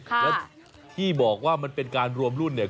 แล้วที่บอกว่ามันเป็นการรวมรุ่นเนี่ย